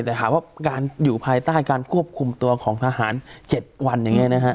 แต่หาว่าการอยู่ภายใต้การควบคุมตัวของทหาร๗วัน